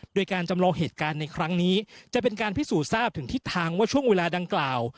โดยการจำลองเหตุการณ์ในครั้งนี้จะเป็นการพิสูจน์ทราบถึงทิศทางว่าช่วงเวลาดังกล่าว